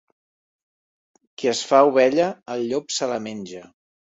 Qui es fa ovella, el llop se la menja.